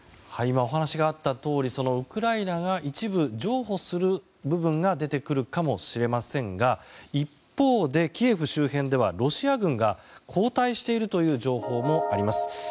今、お話があったとおりウクライナが一部譲歩する部分が出てくるかもしれませんが一方でキエフ周辺ではロシア軍が後退しているという情報もあります。